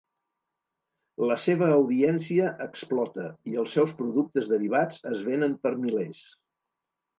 La seva audiència explota i els seus productes derivats es venen per milers.